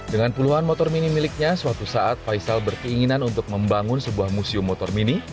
dengan puluhan motor mini miliknya suatu saat faisal berkeinginan untuk membangun sebuah museum motor mini